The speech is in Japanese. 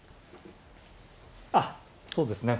あっそうですね